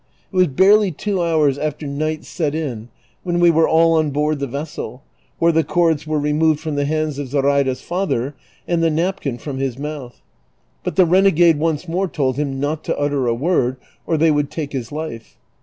It was barely two hours after night set in when we were all on Iward the vessel, where the cords wei e re moved from the hands of Zoraida's father, and the nai)kin from his mouth ; but the renegade once more told him not to utter a word, or they would take his life.